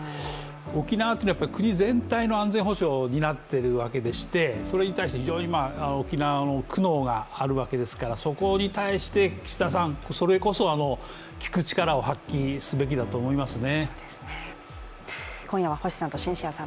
沖縄っていうのは国全体の安全保障を担っているわけでしてそれに対して非常に沖縄の苦悩があるわけですからそこに対して岸田さん、それこそ聞く力を発揮するべきだと思いますね。